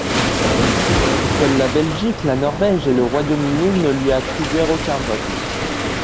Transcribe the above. Seuls la Belgique, la Norvège et le Royaume-Uni ne lui attribuèrent aucun vote.